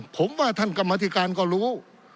ผมว่าท่านกรรมธิการก็รู้